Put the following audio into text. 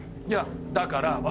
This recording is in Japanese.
いやだから。